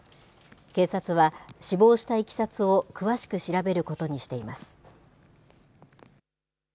警察は死亡したいきさつを詳しく調べることにしています。